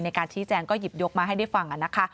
ในการชี้แจงก็หยิบยกมาให้ได้ฟังนะคะ